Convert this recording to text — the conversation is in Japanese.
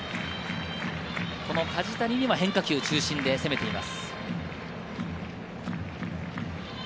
梶谷には変化球中心で攻めています。